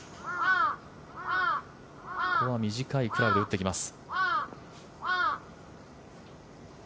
ここは短いクラブで打ってきます。